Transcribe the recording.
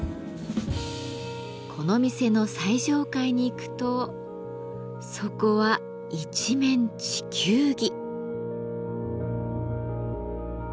この店の最上階に行くとそこは一面地球儀。